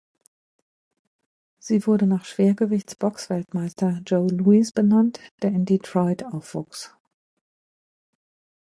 Sie wurde nach Schwergewichts-Boxweltmeister Joe Louis benannt, der in Detroit aufwuchs.